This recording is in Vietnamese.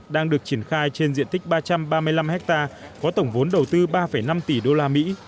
đang được triển khai trên diện tích ba trăm ba mươi năm hectare có tổng vốn đầu tư ba năm tỷ đô la mỹ